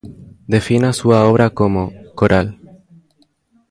Define a súa obra como "coral".